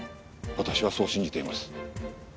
私はそう信じています。